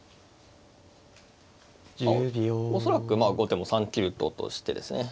恐らくまあ後手も３九ととしてですね